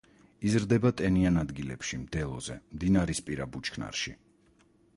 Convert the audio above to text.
იზრდება ტენიან ადგილებში, მდელოზე, მდინარისპირა ბუჩქნარში.